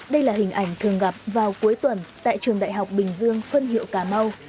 đây là hình ảnh thường gặp vào cuối tuần tại trường đại học bình dương phân hiệu cà mau